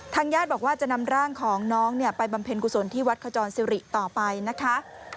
ญาติบอกว่าจะนำร่างของน้องไปบำเพ็ญกุศลที่วัดขจรสิริต่อไปนะคะ